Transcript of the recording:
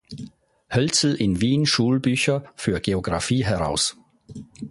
Hölzel in Wien Schulbücher für Geografie heraus.